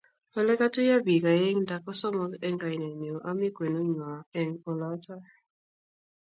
Ole katuyo bik aeng nda kosomok eng kainenyu, ami kwenunywa eng oloto